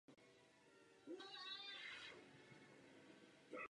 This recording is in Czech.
Narodila se v Seattle v americkém státě Washington učitelům dramatických umění.